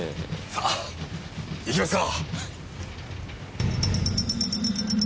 さあ行きますか！